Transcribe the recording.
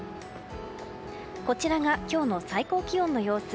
こちらが今日の最高気温の様子。